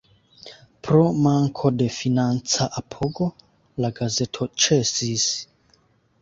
Pro manko de financa apogo la gazeto ĉesis.